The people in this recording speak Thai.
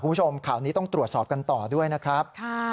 คุณผู้ชมข่าวนี้ต้องตรวจสอบกันต่อด้วยนะครับ